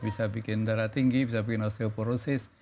bisa bikin darah tinggi bisa bikin osteoporosis